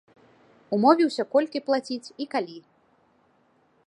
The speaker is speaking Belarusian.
Умовіўся колькі плаціць і калі.